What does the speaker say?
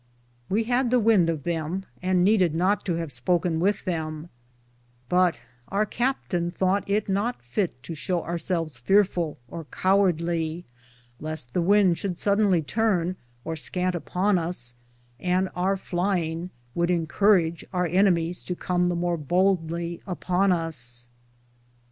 We hade the wynde of them, and needed not to have spoken with them, but our Captaine thoughte it not fitt to show our selves fearfull or cowardly ; Leaste the wynde should sodonly turne, or scante upon us, and our flyinge would incurridge our enemyes to com the more bouldly upon us.